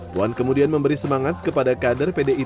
puan kemudian memberi semangat kepada kader pdip